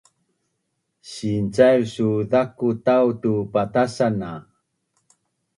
sincaiv su zaku tau tu patasan a